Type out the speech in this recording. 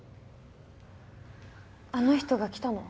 あの人が来たの？